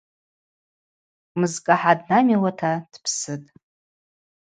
Мызкӏы ахӏа днамиуата дпсытӏ.